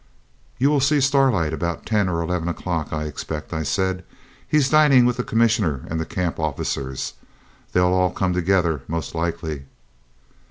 'You will see Starlight about ten or eleven o'clock, I expect,' I said. 'He's dining with the Commissioner and the camp officers. They'll all come together, most likely.'